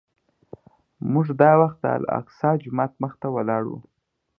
موږ دا وخت د الاقصی جومات مخې ته ولاړ وو.